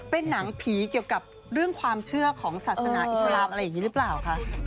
เป็นหนังผีเกี่ยวกับเรื่องความเชื่อของศาสนาอิสลามอะไรอย่างนี้หรือเปล่าคะ